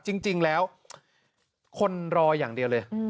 จริงแล้วคนรออย่างเดียวเลย